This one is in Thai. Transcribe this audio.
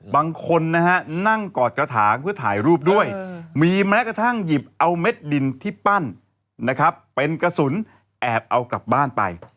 บางคนนะฮะนั่งกอดกระถางเพื่อถ่ายรูปด้วยมีแม้กระทั่งหยิบเอาเม็ดดินที่ปั้นนะครับเป็นกระสุนแอบเอากลับบ้านไป